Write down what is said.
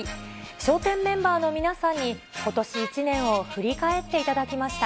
笑点メンバーの皆さんに、ことし一年を振り返っていただきました。